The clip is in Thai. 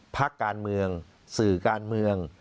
พักการเมืองสื่อการเมือง